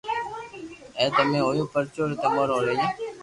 امي تمارو ھون پرڀو جي تمارو ھون رھيو